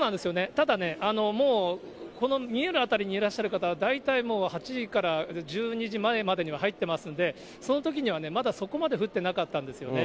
ただね、もうこの見える辺りにいらっしゃる方は、大体もう８時から１２時前までには入ってますんで、そのときにはまだそこまで降ってなかったんですよね。